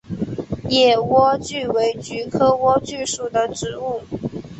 野莴苣为菊科莴苣属的植物。